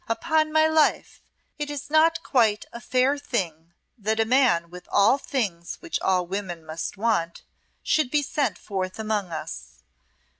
Upon my life, it is not quite a fair thing that a man with all things which all women must want, should be sent forth among us.